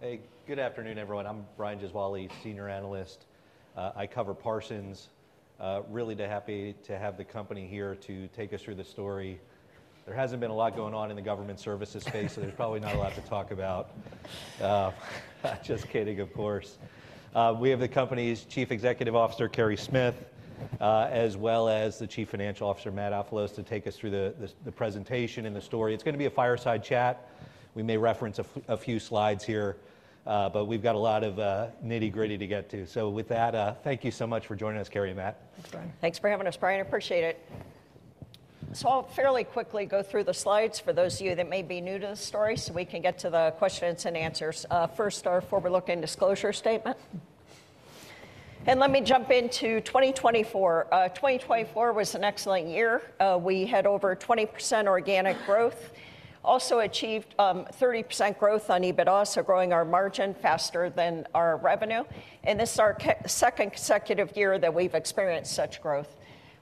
Hey, good afternoon, everyone. I'm Brian Gesuale, Senior Analyst. I cover Parsons. Really happy to have the company here to take us through the story. There hasn't been a lot going on in the government services space, so there's probably not a lot to talk about. Just kidding, of course. We have the company's Chief Executive Officer, Carey Smith, as well as the Chief Financial Officer, Matt Ofilos, to take us through the presentation and the story. It's going to be a fireside chat. We may reference a few slides here, but we've got a lot of nitty-gritty to get to. So with that, thank you so much for joining us, Carey and Matt. Thanks, Brian. Thanks for having us, Brian. Appreciate it. So I'll fairly quickly go through the slides for those of you that may be new to the story so we can get to the questions and answers. First, our Forward Look and Disclosure Statement. And let me jump into 2024. 2024 was an excellent year. We had over 20% organic growth, also achieved 30% growth on EBITDA, so growing our margin faster than our revenue. And this is our second consecutive year that we've experienced such growth.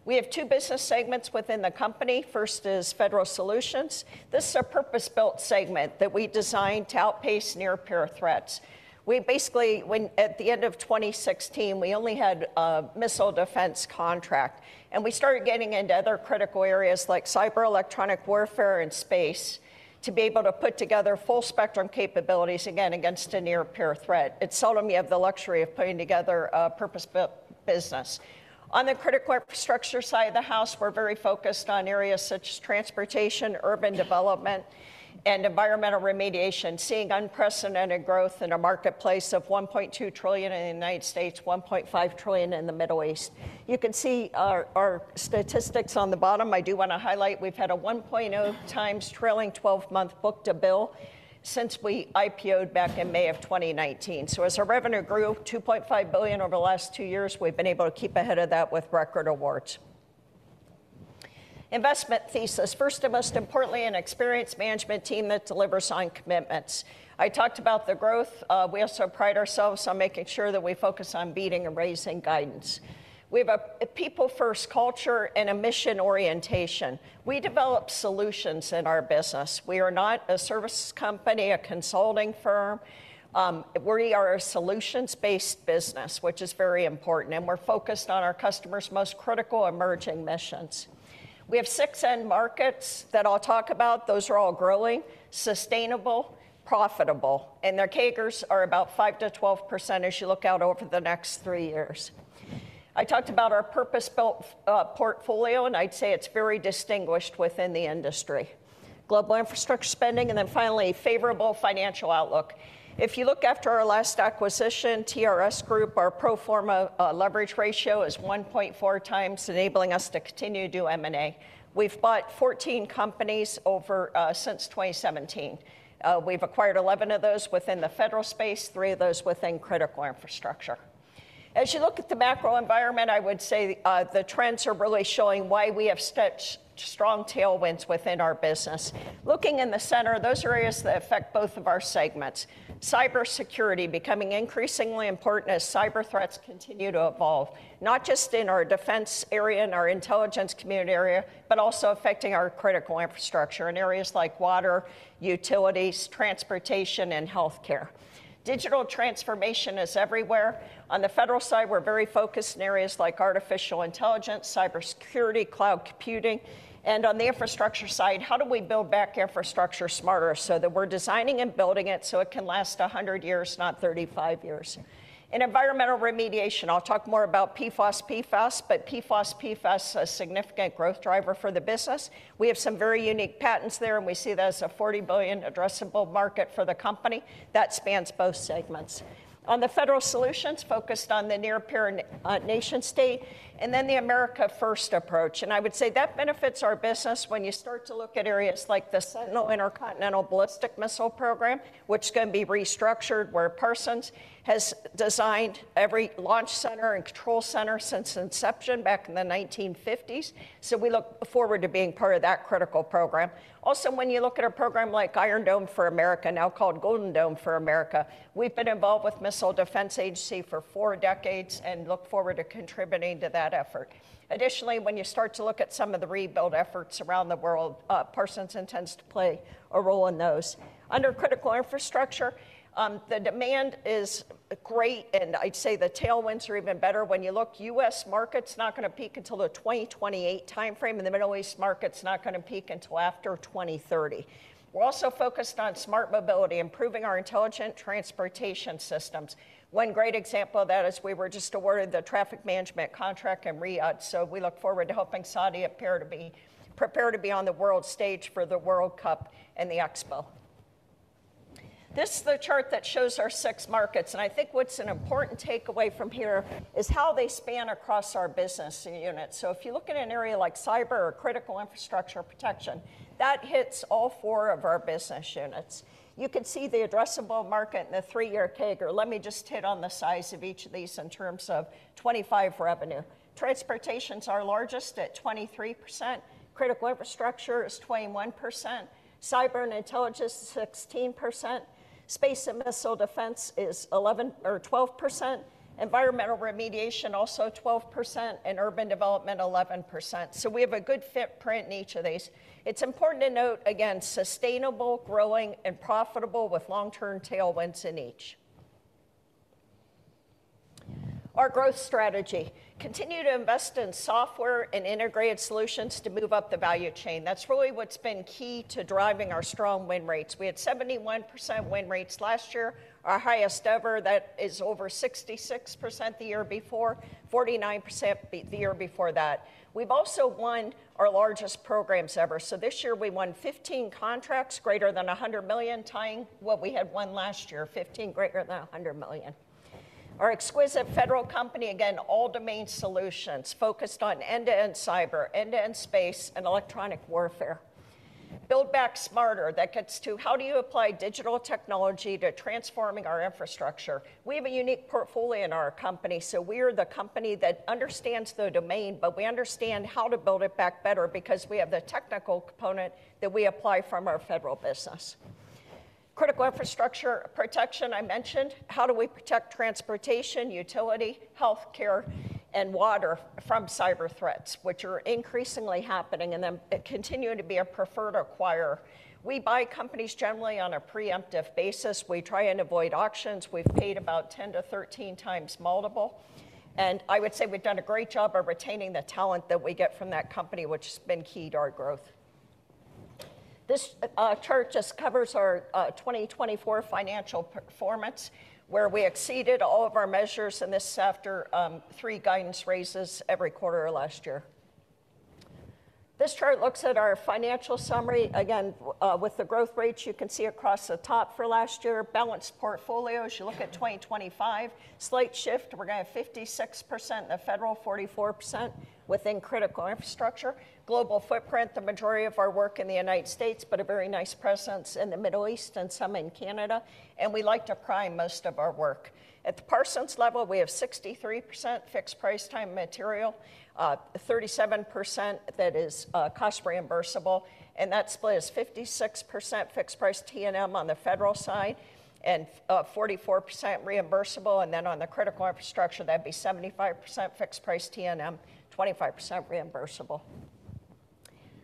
We have two business segments within the company. First is Federal Solutions. This is a purpose-built segment that we designed to outpace near-peer threats. We basically, at the end of 2016, we only had a missile defense contract. And we started getting into other critical areas like cyber, electronic warfare, and space to be able to put together full-spectrum capabilities, again, against a near-peer threat. It sold them. You have the luxury of putting together a purpose-built business. On the critical infrastructure side of the house, we're very focused on areas such as transportation, urban development, and environmental remediation, seeing unprecedented growth in a marketplace of $1.2 trillion in the United States, $1.5 trillion in the Middle East. You can see our statistics on the bottom. I do want to highlight we've had a 1.0 times trailing 12-month book-to-bill since we IPO'd back in May of 2019. So as our revenue grew $2.5 billion over the last two years, we've been able to keep ahead of that with record awards. Investment thesis, first and most importantly, an experienced management team that delivers on commitments. I talked about the growth. We also pride ourselves on making sure that we focus on beating and raising guidance. We have a people-first culture and a mission orientation. We develop solutions in our business. We are not a services company, a consulting firm. We are a solutions-based business, which is very important. And we're focused on our customers' most critical emerging missions. We have six end markets that I'll talk about. Those are all growing, sustainable, profitable. And their CAGRs are about 5% to 12% as you look out over the next three years. I talked about our purpose-built portfolio, and I'd say it's very distinguished within the industry. Global infrastructure spending, and then finally, favorable financial outlook. If you look after our last acquisition, TRS Group, our pro forma leverage ratio is 1.4 times, enabling us to continue to do M&A. We've bought 14 companies since 2017. We've acquired 11 of those within the federal space, three of those within critical infrastructure. As you look at the macro environment, I would say the trends are really showing why we have such strong tailwinds within our business. Looking in the center, those areas that affect both of our segments, cybersecurity becoming increasingly important as cyber threats continue to evolve, not just in our defense area and our intelligence community area, but also affecting our critical infrastructure in areas like water, utilities, transportation, and healthcare. Digital transformation is everywhere. On the federal side, we're very focused in areas like artificial intelligence, cybersecurity, cloud computing. And on the infrastructure side, how do we build back infrastructure smarter so that we're designing and building it so it can last 100 years, not 35 years? In environmental remediation, I'll talk more about PFAS, but PFAS is a significant growth driver for the business. We have some very unique patents there, and we see that as a $40 billion addressable market for the company. That spans both segments. On the federal solutions, focused on the near-peer nation-state, and then the America First approach, and I would say that benefits our business when you start to look at areas like the Sentinel Intercontinental Ballistic Missile Program, which is going to be restructured where Parsons has designed every launch center and control center since inception back in the 1950s, so we look forward to being part of that critical program. Also, when you look at a program like Iron Dome for America, now called Golden Dome for America, we've been involved with Missile Defense Agency for four decades and look forward to contributing to that effort. Additionally, when you start to look at some of the rebuild efforts around the world, Parsons intends to play a role in those. Under critical infrastructure, the demand is great, and I'd say the tailwinds are even better. When you look, U.S. market's not going to peak until the 2028 timeframe. In the Middle East market, it's not going to peak until after 2030. We're also focused on smart mobility, improving our intelligent transportation systems. One great example of that is we were just awarded the traffic management contract in Riyadh. So we look forward to helping Saudi Arabia to be prepared to be on the world stage for the World Cup and the Expo. This is the chart that shows our six markets, and I think what's an important takeaway from here is how they span across our business units. So if you look at an area like cyber or critical infrastructure protection, that hits all four of our business units. You can see the addressable market and the three-year CAGR. Let me just hit on the size of each of these in terms of 2025 revenue. Transportation's our largest at 23%. Critical infrastructure is 21%. Cyber and intelligence is 16%. Space and Missile Defense is 11 or 12%. Environmental remediation also 12% and urban development 11%. So we have a good footprint in each of these. It's important to note, again, sustainable, growing, and profitable with long-term tailwinds in each. Our growth strategy, continue to invest in software and integrated solutions to move up the value chain. That's really what's been key to driving our strong win rates. We had 71% win rates last year, our highest ever. That is over 66% the year before, 49% the year before that. We've also won our largest programs ever. So this year we won 15 contracts, greater than $100 million, tying what we had won last year, 15 greater than $100 million. Our exquisite federal company, again, all-domain solutions focused on end-to-end cyber, end-to-end space, and electronic warfare. Build back smarter. That gets to how do you apply digital technology to transforming our infrastructure? We have a unique portfolio in our company. So we are the company that understands the domain, but we understand how to build it back better because we have the technical component that we apply from our federal business. Critical infrastructure protection I mentioned. How do we protect transportation, utility, healthcare, and water from cyber threats, which are increasingly happening and then continue to be a preferred acquirer? We buy companies generally on a preemptive basis. We try and avoid auctions. We've paid about 10-13 times multiple. And I would say we've done a great job of retaining the talent that we get from that company, which has been key to our growth. This chart just covers our 2024 financial performance, where we exceeded all of our measures this year after three guidance raises every quarter last year. This chart looks at our financial summary. Again, with the growth rates, you can see across the top for last year, balanced portfolio. As you look at 2025, slight shift. We're going to have 56% in the federal, 44% within critical infrastructure. Global footprint, the majority of our work in the United States, but a very nice presence in the Middle East and some in Canada. And we like to prime most of our work. At the Parsons level, we have 63% fixed price time and materials, 37% that is cost reimbursable. That split is 56% fixed price T&M on the federal side and 44% reimbursable. Then on the critical infrastructure, that'd be 75% fixed price TM, 25% reimbursable.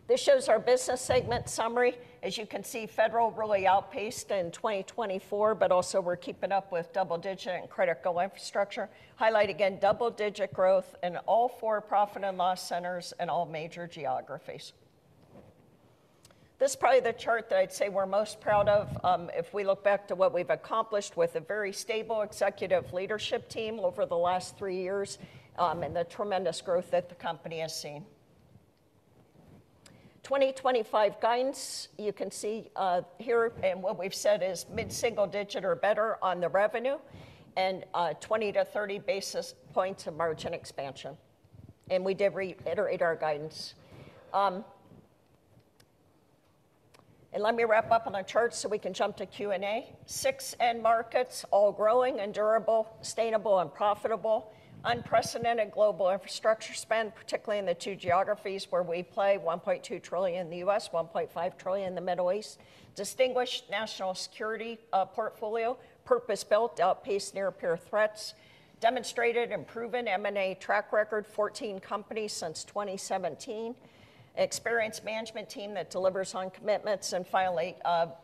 This shows our business segment summary. As you can see, federal really outpaced in 2024, but also we're keeping up with double-digit and critical infrastructure, highlighting again double-digit growth in all four profit and loss centers and all major geographies. This is probably the chart that I'd say we're most proud of. If we look back to what we've accomplished with a very stable executive leadership team over the last three years and the tremendous growth that the company has seen. 2025 guidance, you can see here, and what we've said is mid-single digit or better on the revenue and 20-30 basis points of margin expansion. And we did reiterate our guidance. And let me wrap up on our chart so we can jump to Q&A. Six end markets, all growing and durable, sustainable and profitable, unprecedented global infrastructure spend, particularly in the two geographies where we play, $1.2 trillion in the U.S., $1.5 trillion in the Middle East, distinguished national security portfolio, purpose-built, outpaced near-peer threats, demonstrated and proven M&A track record, 14 companies since 2017, experienced management team that delivers on commitments, and finally,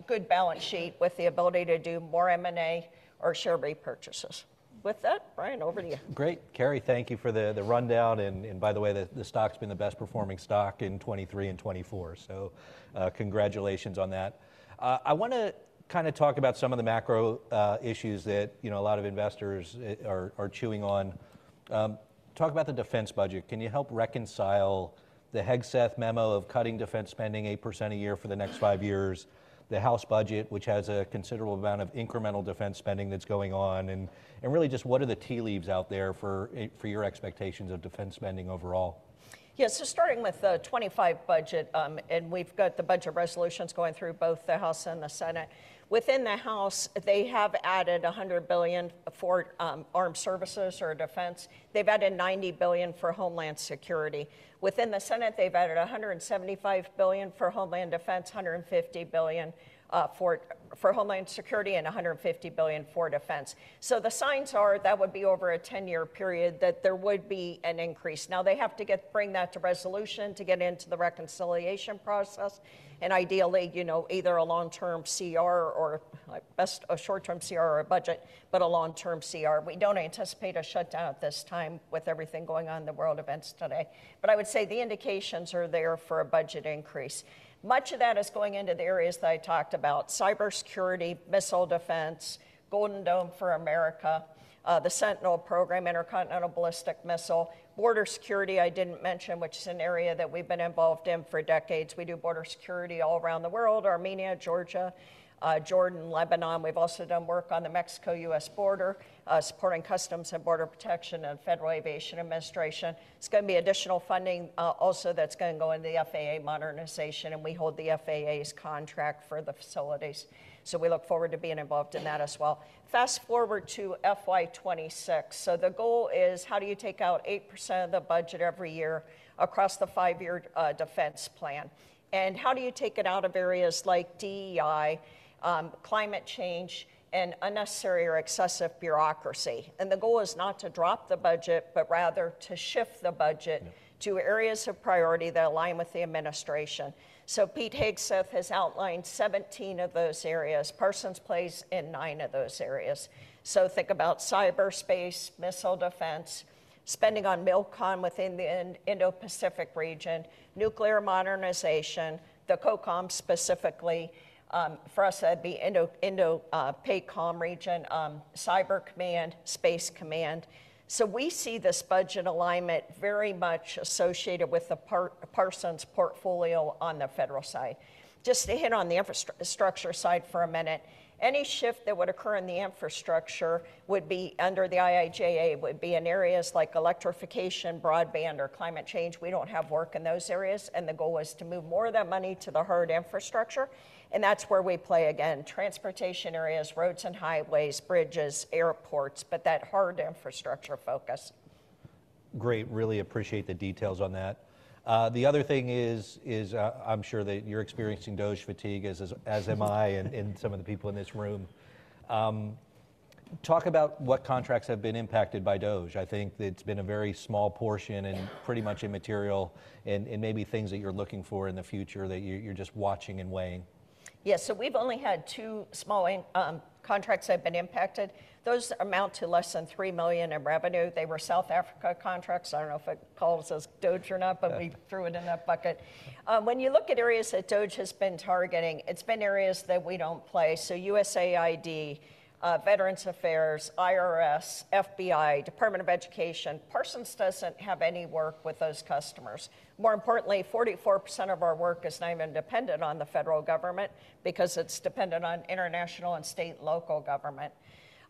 good balance sheet with the ability to do more M&A or share repurchases. With that, Brian, over to you. Great. Carey, thank you for the rundown. And by the way, the stock's been the best performing stock in 2023 and 2024. So congratulations on that. I want to kind of talk about some of the macro issues that a lot of investors are chewing on. Talk about the defense budget. Can you help reconcile the Hegseth memo of cutting defense spending 8% a year for the next five years, the House budget, which has a considerable amount of incremental defense spending that's going on, and really just what are the tea leaves out there for your expectations of defense spending overall? Yeah, so starting with the 2025 budget, and we've got the budget resolutions going through both the House and the Senate. Within the House, they have added $100 billion for armed services or defense. They've added $90 billion for homeland security. Within the Senate, they've added $175 billion for homeland defense, $150 billion for homeland security, and $150 billion for defense. The signs are that would be over a 10-year period that there would be an increase. Now, they have to bring that to resolution to get into the reconciliation process, and ideally, either a long-term CR or best a short-term CR or a budget, but a long-term CR. We don't anticipate a shutdown at this time with everything going on in the world events today. I would say the indications are there for a budget increase. Much of that is going into the areas that I talked about, cybersecurity, missile defense, Golden Dome for America, the Sentinel program, intercontinental ballistic missile, border security I didn't mention, which is an area that we've been involved in for decades. We do border security all around the world, Armenia, Georgia, Jordan, Lebanon. We've also done work on the Mexico-U.S. border, supporting Customs and Border Protection and Federal Aviation Administration. It's going to be additional funding also that's going to go into the FAA modernization, and we hold the FAA's contract for the facilities. So we look forward to being involved in that as well. Fast forward to FY26. So the goal is how do you take out 8% of the budget every year across the five-year defense plan? And how do you take it out of areas like DEI, climate change, and unnecessary or excessive bureaucracy? The goal is not to drop the budget, but rather to shift the budget to areas of priority that align with the administration. Pete Hegseth has outlined 17 of those areas. Parsons plays in nine of those areas. Think about cyberspace, missile defense, spending on MilCon within the Indo-Pacific region, nuclear modernization, the COCOM specifically. For us, that'd be Indo-PACOM region, Cyber Command, Space Command. We see this budget alignment very much associated with the Parsons portfolio on the federal side. Just to hit on the infrastructure side for a minute, any shift that would occur in the infrastructure would be under the IIJA, would be in areas like electrification, broadband, or climate change. We don't have work in those areas, and the goal is to move more of that money to the hard infrastructure. And that's where we play, again, transportation areas, roads and highways, bridges, airports, but that hard infrastructure focus. Great. Really appreciate the details on that. The other thing is I'm sure that you're experiencing DOGE fatigue, as am I, and some of the people in this room. Talk about what contracts have been impacted by DOGE. I think that it's been a very small portion and pretty much immaterial and maybe things that you're looking for in the future that you're just watching and weighing. Yeah, so we've only had two small contracts that have been impacted. Those amount to less than $3 million in revenue. They were South Africa contracts. I don't know if it calls us DOGE or not, but we threw it in that bucket. When you look at areas that DOGE has been targeting, it's been areas that we don't play. So USAID, Veterans Affairs, IRS, FBI, Department of Education. Parsons doesn't have any work with those customers. More importantly, 44% of our work is not even dependent on the federal government because it's dependent on international and state and local government.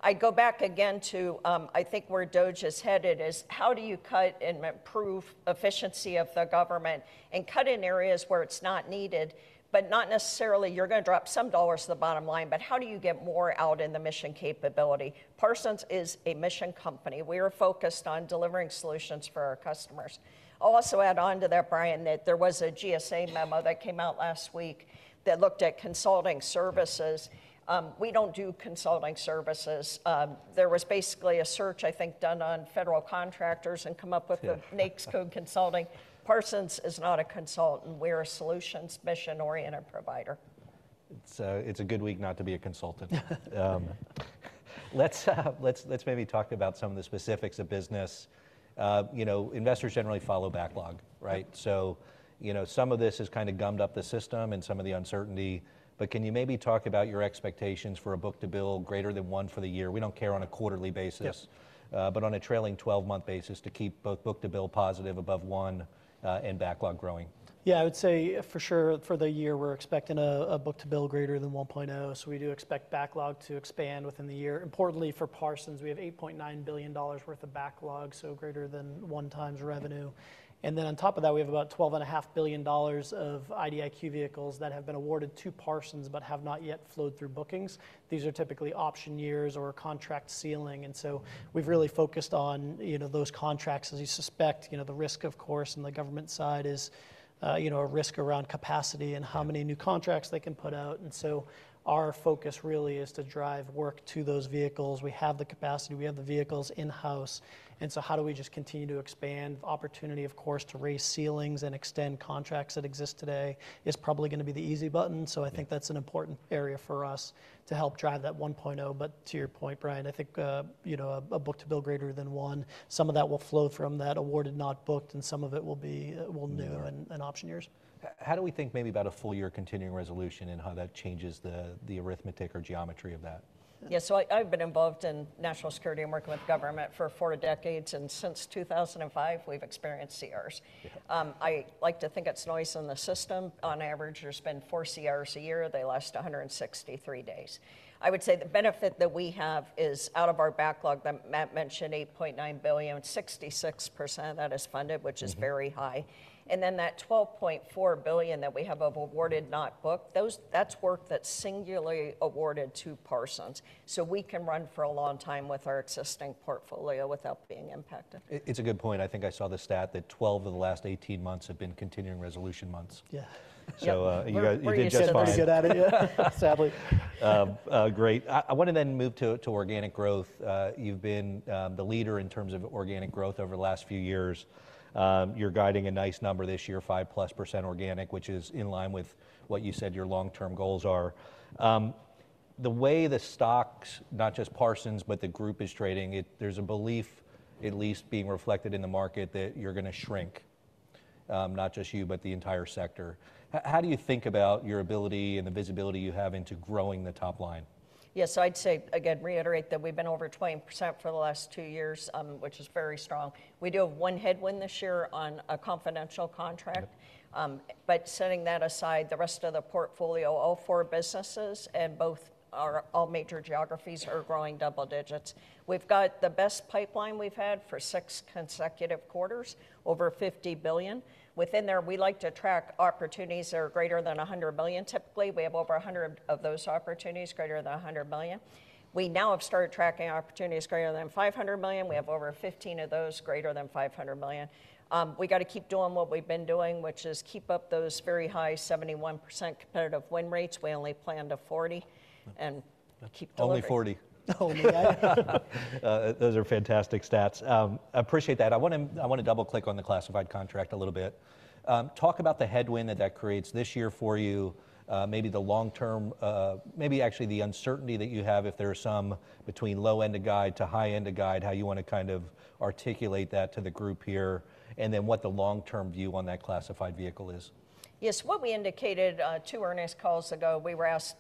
I go back again to, I think where DOGE is headed is how do you cut and improve efficiency of the government and cut in areas where it's not needed, but not necessarily you're going to drop some dollars to the bottom line, but how do you get more out in the mission capability? Parsons is a mission company. We are focused on delivering solutions for our customers. I'll also add on to that, Brian, that there was a GSA memo that came out last week that looked at consulting services. We don't do consulting services. There was basically a search, I think, done on federal contractors and come up with the NAICS code consulting. Parsons is not a consultant. We are a solutions mission-oriented provider. It's a good week not to be a consultant. Let's maybe talk about some of the specifics of business. Investors generally follow backlog, right? So some of this has kind of gummed up the system and some of the uncertainty. But can you maybe talk about your expectations for a book-to-bill greater than one for the year? We don't care on a quarterly basis, but on a trailing 12-month basis to keep both book-to-bill positive above one and backlog growing? Yeah, I would say for sure for the year we're expecting a book-to-bill greater than 1.0. So we do expect backlog to expand within the year. Importantly for Parsons, we have $8.9 billion worth of backlog, so greater than one times revenue. And then on top of that, we have about $12.5 billion of IDIQ vehicles that have been awarded to Parsons but have not yet flowed through bookings. These are typically option years or contract ceiling. And so we've really focused on those contracts, as you suspect. The risk, of course, on the government side is a risk around capacity and how many new contracts they can put out. And so our focus really is to drive work to those vehicles. We have the capacity. We have the vehicles in-house. And so how do we just continue to expand? Opportunity, of course, to raise ceilings and extend contracts that exist today is probably going to be the easy button. So I think that's an important area for us to help drive that 1.0. But to your point, Brian, I think a book-to-bill greater than one, some of that will flow from that awarded not booked, and some of it will be new and option years. How do we think maybe about a full year Continuing Resolution and how that changes the arithmetic or geometry of that? Yeah, so I've been involved in national security and working with government for four decades, and since 2005, we've experienced CRs. I like to think it's noise in the system. On average, there's been four CRs a year. They last 163 days. I would say the benefit that we have is out of our backlog that Matt mentioned, $8.9 billion, 66% of that is funded, which is very high, and then that $12.4 billion that we have of awarded not booked, that's work that's singularly awarded to Parsons, so we can run for a long time with our existing portfolio without being impacted. It's a good point. I think I saw the stat that 12 of the last 18 months have been Continuing Resolution months. Yeah. So you did just fine. Sadly. Great. I want to then move to organic growth. You've been the leader in terms of organic growth over the last few years. You're guiding a nice number this year, 5+% organic, which is in line with what you said your long-term goals are. The way the stocks, not just Parsons, but the group is trading, there's a belief at least being reflected in the market that you're going to shrink, not just you, but the entire sector. How do you think about your ability and the visibility you have into growing the top line? Yeah, so I'd say, again, reiterate that we've been over 20% for the last two years, which is very strong. We do have one headwind this year on a confidential contract. But setting that aside, the rest of the portfolio, all four businesses and all major geographies are growing double digits. We've got the best pipeline we've had for six consecutive quarters, over $50 billion. Within there, we like to track opportunities that are greater than $100 million. Typically, we have over 100 of those opportunities, greater than $100 million. We now have started tracking opportunities greater than $500 million. We have over 15 of those, greater than $500 million. We got to keep doing what we've been doing, which is keep up those very high 71% competitive win rates. We only planned to 40 and keep doing it. Only 40. Only. Those are fantastic stats. I appreciate that. I want to double-click on the classified contract a little bit. Talk about the headwind that that creates this year for you, maybe the long-term, maybe actually the uncertainty that you have if there is some between low-end of guidance to high-end of guidance, how you want to kind of articulate that to the group here, and then what the long-term view on that classified vehicle is? Yes, what we indicated two earnings calls ago, we were asked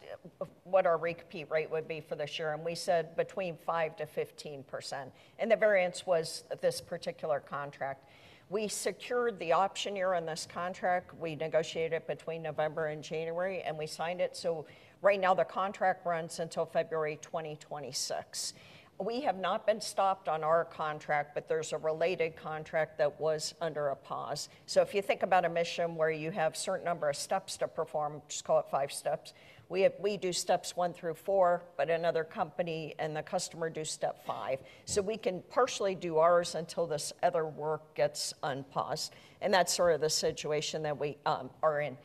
what our re-compete rate would be for this year. And we said between 5%-15%. And the variance was this particular contract. We secured the option year on this contract. We negotiated it between November and January, and we signed it. So right now, the contract runs until February 2026. We have not been stopped on our contract, but there's a related contract that was under a pause. So if you think about a mission where you have a certain number of steps to perform, just call it five steps, we do steps one through four, but another company and the customer do step five. So we can partially do ours until this other work gets unpaused. And that's sort of the situation that we are in.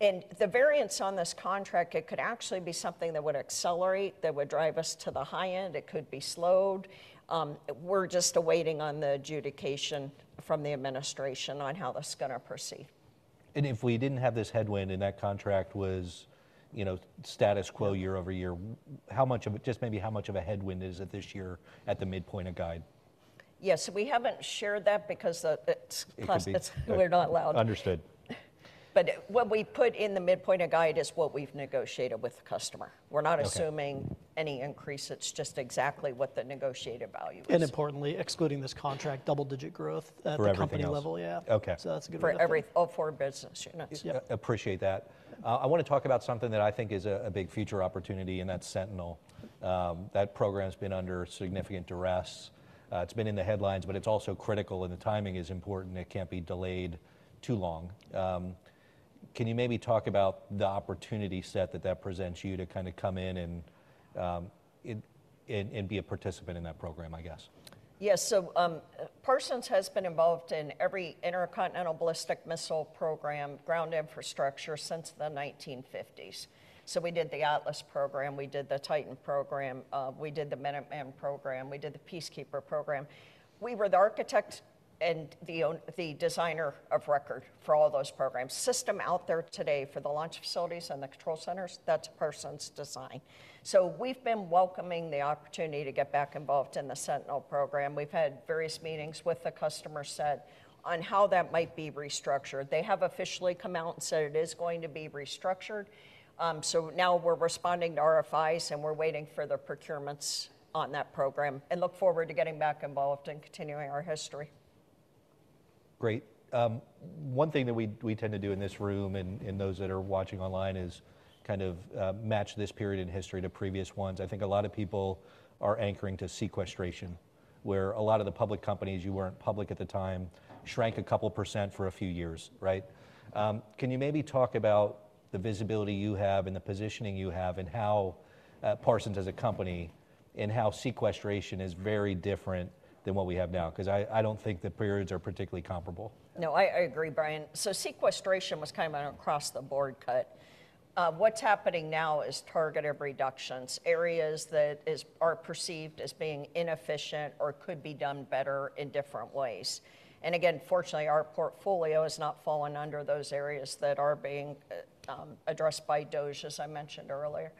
The variance on this contract, it could actually be something that would accelerate, that would drive us to the high end. It could be slowed. We're just awaiting on the adjudication from the administration on how that's going to proceed. If we didn't have this headwind and that contract was status quo year over year, how much of it, just maybe how much of a headwind is it this year at the midpoint of guide? Yes, we haven't shared that because we're not allowed. Understood. But what we put in the midpoint of guide is what we've negotiated with the customer. We're not assuming any increase. It's just exactly what the negotiated value is. Importantly, excluding this contract, double-digit growth at the company level, yeah. That's a good point. For all four business units. Appreciate that. I want to talk about something that I think is a big future opportunity, and that's Sentinel. That program has been under significant duress. It's been in the headlines, but it's also critical, and the timing is important. It can't be delayed too long. Can you maybe talk about the opportunity set that that presents you to kind of come in and be a participant in that program, I guess? Yes, so Parsons has been involved in every intercontinental ballistic missile program, ground infrastructure since the 1950s. So we did the Atlas program. We did the Titan program. We did the Minuteman program. We did the Peacekeeper program. We were the architect and the designer of record for all those programs. Every system out there today for the launch facilities and the control centers, that's Parsons' design. So we've been welcoming the opportunity to get back involved in the Sentinel program. We've had various meetings with the customer set on how that might be restructured. They have officially come out and said it is going to be restructured. So now we're responding to RFIs, and we're waiting for the procurements on that program and look forward to getting back involved and continuing our history. Great. One thing that we tend to do in this room and those that are watching online is kind of match this period in history to previous ones. I think a lot of people are anchoring to sequestration, where a lot of the public companies you weren't public at the time shrank a couple% for a few years, right? Can you maybe talk about the visibility you have and the positioning you have and how Parsons as a company and how sequestration is very different than what we have now? Because I don't think the periods are particularly comparable. No, I agree, Brian. So sequestration was kind of an across-the-board cut. What's happening now is targeted reductions, areas that are perceived as being inefficient or could be done better in different ways. And again, fortunately, our portfolio has not fallen under those areas that are being addressed by DOGE, as I mentioned earlier.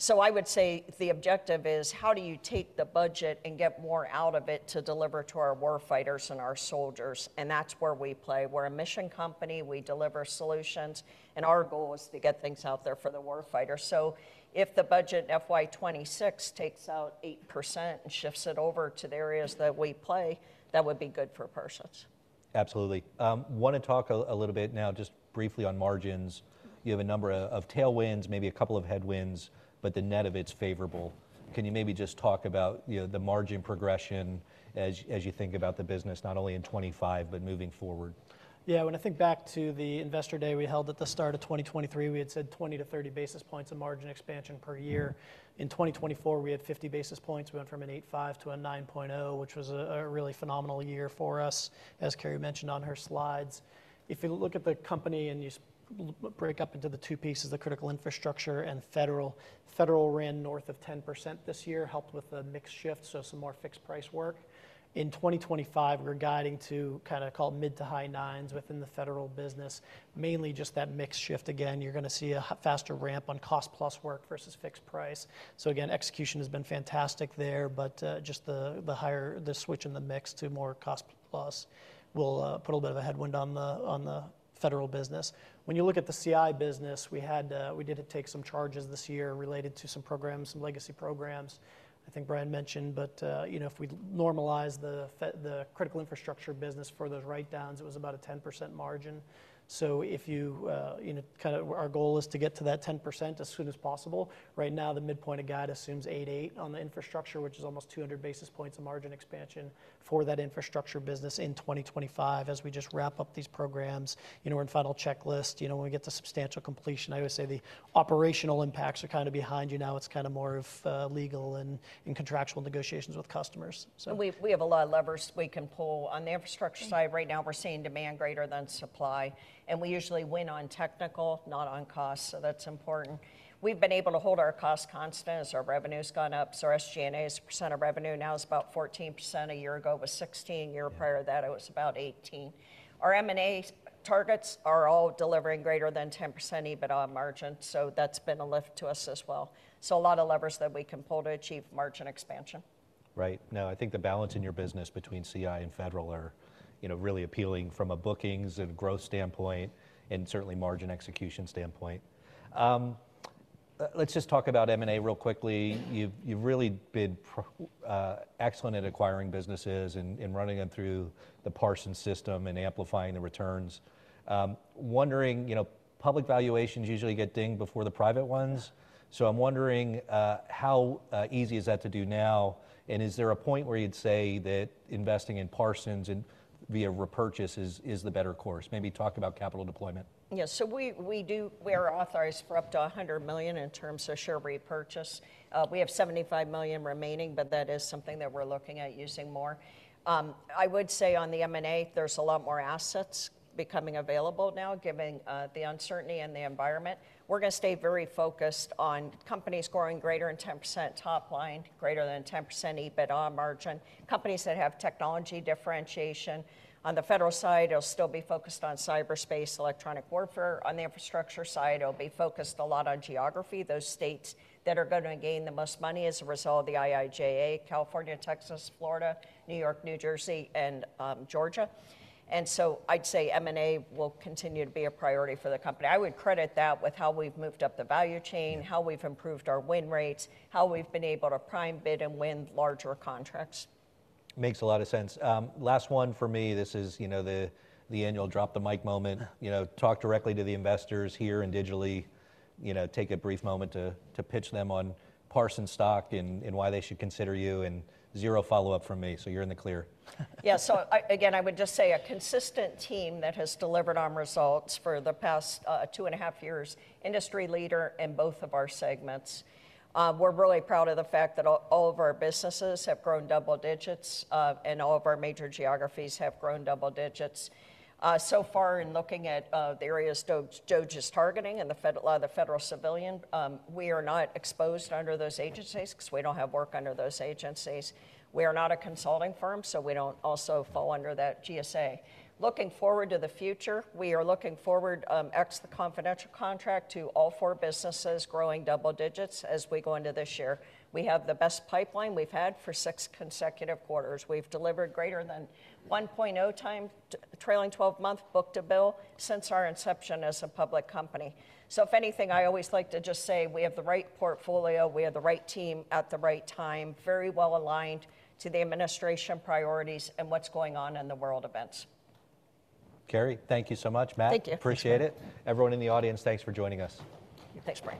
So I would say the objective is how do you take the budget and get more out of it to deliver to our war fighters and our soldiers? And that's where we play. We're a mission company. We deliver solutions. And our goal is to get things out there for the war fighters. So if the budget FY26 takes out 8% and shifts it over to the areas that we play, that would be good for Parsons. Absolutely. I want to talk a little bit now, just briefly on margins. You have a number of tailwinds, maybe a couple of headwinds, but the net of it's favorable. Can you maybe just talk about the margin progression as you think about the business, not only in 2025, but moving forward? Yeah. When I think back to the investor day we held at the start of 2023, we had said 20-30 basis points of margin expansion per year. In 2024, we had 50 basis points. We went from an 8.5-9.0, which was a really phenomenal year for us, as Carey mentioned on her slides. If you look at the company and you break up into the two pieces, the critical infrastructure and federal, federal ran north of 10% this year, helped with the mixed shift, so some more fixed price work. In 2025, we're guiding to kind of call it mid to high nines within the federal business, mainly just that mixed shift. Again, you're going to see a faster ramp on cost plus work versus fixed price. So again, execution has been fantastic there, but just the switch in the mix to more cost plus will put a little bit of a headwind on the federal business. When you look at the CI business, we did take some charges this year related to some programs, some legacy programs, I think Brian mentioned. But if we normalize the critical infrastructure business for those write-downs, it was about a 10% margin. So kind of our goal is to get to that 10% as soon as possible. Right now, the midpoint of guide assumes 8.8 on the infrastructure, which is almost 200 basis points of margin expansion for that infrastructure business in 2025 as we just wrap up these programs and final checklist. When we get to substantial completion, I always say the operational impacts are kind of behind you now. It's kind of more of legal and contractual negotiations with customers. We have a lot of levers we can pull. On the infrastructure side, right now, we're seeing demand greater than supply. And we usually win on technical, not on cost. So that's important. We've been able to hold our cost constant as our revenue has gone up. So our SG&A's percent of revenue now is about 14%. A year ago it was 16%. A year prior to that, it was about 18%. Our M&A targets are all delivering greater than 10% EBITDA margin. So that's been a lift to us as well. So a lot of levers that we can pull to achieve margin expansion. Right. Now, I think the balance in your business between CI and federal are really appealing from a bookings and growth standpoint and certainly margin execution standpoint. Let's just talk about M&A real quickly. You've really been excellent at acquiring businesses and running them through the Parsons system and amplifying the returns. Wondering, public valuations usually get dinged before the private ones. So I'm wondering, how easy is that to do now? And is there a point where you'd say that investing in Parsons via repurchase is the better course? Maybe talk about capital deployment. Yes. So we are authorized for up to $100 million in terms of share repurchase. We have $75 million remaining, but that is something that we're looking at using more. I would say on the M&A, there's a lot more assets becoming available now, given the uncertainty in the environment. We're going to stay very focused on companies growing greater than 10% top line, greater than 10% EBITDA margin, companies that have technology differentiation. On the federal side, it'll still be focused on cyberspace, electronic warfare. On the infrastructure side, it'll be focused a lot on geography, those states that are going to gain the most money as a result of the IIJA: California, Texas, Florida, New York, New Jersey, and Georgia. And so I'd say M&A will continue to be a priority for the company. I would credit that with how we've moved up the value chain, how we've improved our win rates, how we've been able to prime bid and win larger contracts. Makes a lot of sense. Last one for me, this is the annual drop the mic moment. Talk directly to the investors here and digitally, take a brief moment to pitch them on Parsons stock and why they should consider you, and zero follow-up from me, so you're in the clear. Yeah. So again, I would just say a consistent team that has delivered on results for the past two and a half years, industry leader in both of our segments. We're really proud of the fact that all of our businesses have grown double digits and all of our major geographies have grown double digits. So far, in looking at the areas DOGE is targeting and a lot of the federal civilian, we are not exposed under those agencies because we don't have work under those agencies. We are not a consulting firm, so we don't also fall under that GSA. Looking forward to the future, we are looking forward, ex the confidential contract, to all four businesses growing double digits as we go into this year. We have the best pipeline we've had for six consecutive quarters. We've delivered greater than 1.0 times trailing 12-month book-to-bill since our inception as a public company, so if anything, I always like to just say we have the right portfolio. We have the right team at the right time, very well aligned to the administration priorities and what's going on in the world events. Carey, thank you so much. Thank you. Appreciate it. Everyone in the audience, thanks for joining us. Thanks, Brian.